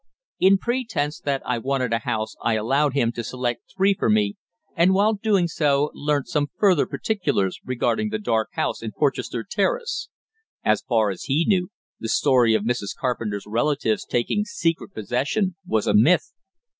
In pretence that I wanted a house I allowed him to select three for me, and while doing so learnt some further particulars regarding the dark house in Porchester Terrace. As far as he knew, the story of Mrs. Carpenter's relatives taking secret possession was a myth.